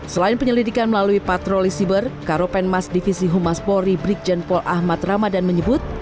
selain penyelidikan melalui patroli siber karopenmas divisi humaspori brikjenpol ahmad ramadan menyebut